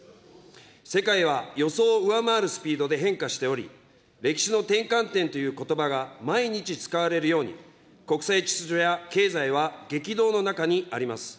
世界は予想を上回るスピードで変化しており、歴史の転換点ということばが毎日使われるように、国際秩序や経済は激動の中にあります。